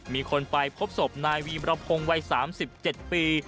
มีคนไปพบศพนายวีมรพงศ์วัย๓๗ปี